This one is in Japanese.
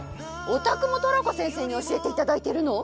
お宅もトラコ先生に教えていただいてるの？」